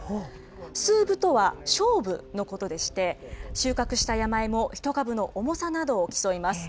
スーブとは勝負のことでして、収穫した山芋１株の重さなどを競います。